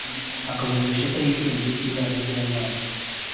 akabumvisha ko ari icyemezo cy’Inama Njyanama